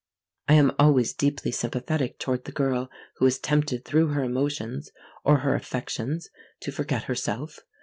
I am always deeply sympathetic toward the girl who is tempted through her emotions, or her affections, to forget herself.